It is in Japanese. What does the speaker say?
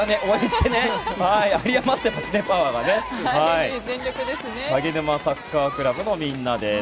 さぎぬまサッカークラブのみんなです。